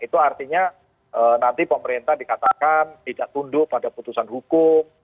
itu artinya nanti pemerintah dikatakan tidak tunduk pada putusan hukum